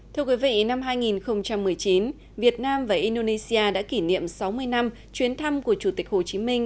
thưa quý vị năm hai nghìn một mươi chín việt nam và indonesia đã kỷ niệm sáu mươi năm chuyến thăm của chủ tịch hồ chí minh